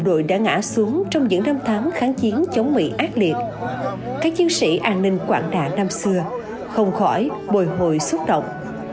đội đã ngã xuống trong những năm tháng kháng chiến chống mỹ ác liệt các chiến sĩ an ninh quảng đạ năm xưa không khỏi bồi hồi xúc động